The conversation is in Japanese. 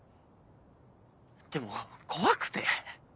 でも怖くて。